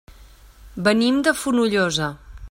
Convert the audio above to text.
Venim de Fonollosa.